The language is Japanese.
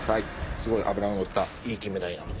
すごい脂ののったいいキンメダイなので。